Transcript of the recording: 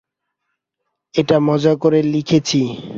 এটা মজা করে লিখেছি।